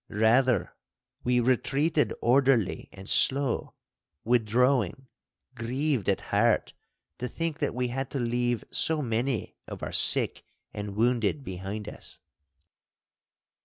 Rather we retreated orderly and slow—withdrawing, grieved at heart to think that we had to leave so many of our sick and wounded behind us.